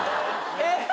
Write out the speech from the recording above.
えっ！？